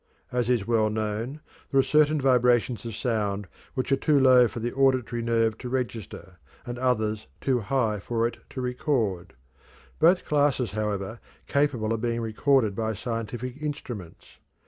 As is well known, there are certain vibrations of sound which are too low for the auditory nerve to register, and others too high for it to record, both classes, however, capable of being recorded by scientific instruments.